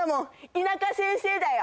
田舎先生だよ